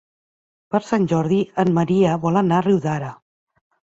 Per Sant Jordi en Maria vol anar a Riudaura.